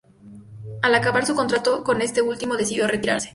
Al acabar su contrato con este último decidió retirarse.